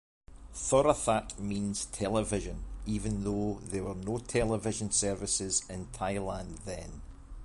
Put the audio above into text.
"Thorathat" means "television" even though there were no television services in Thailand then.